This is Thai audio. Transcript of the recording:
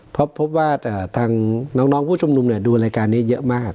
พบว่าทางน้องผู้ชุมนุมดูรายการนี้เยอะมาก